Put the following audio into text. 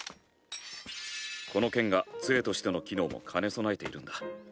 この剣が杖としての機能も兼ね備えているんだ。